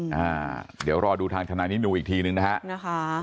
อ่าเดี๋ยวรอดูทางทนายนินูอีกทีนึงนะฮะ